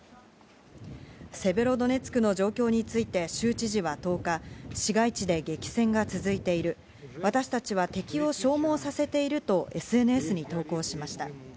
セベロドネツクの状況について州知事は１０日、市街地で激戦が続いている、私たちは敵を消耗させていると、ＳＮＳに投稿しました。